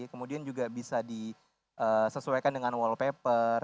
kemudian juga bisa disesuaikan dengan wallpaper